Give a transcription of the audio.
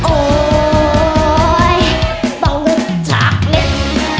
โอ๊ยต้องลืมชักนิด